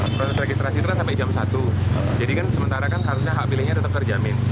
proses registrasi itu kan sampai jam satu jadi kan sementara kan harusnya hak pilihnya tetap terjamin